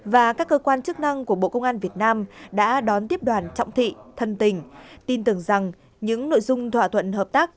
và các cơ quan chức năng của bộ công an việt nam đã đón tiếp đoàn trọng thị thân tình tin tưởng rằng những nội dung thỏa thuận hợp tác